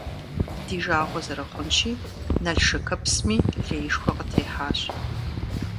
Ди жагъуэ зэрыхъунщи, Налшыкыпсми леишхуэ къытехьащ.